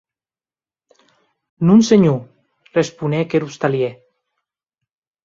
Non senhor, responec er ostalièr.